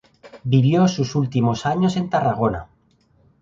Vivió sus últimos años en Tarragona.